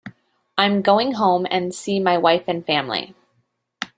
I'm going home and see my wife and family.